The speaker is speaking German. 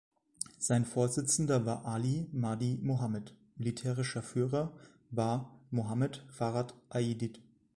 Sein Vorsitzender war Ali Mahdi Mohammed, militärischer Führer war Mohammed Farah Aidid.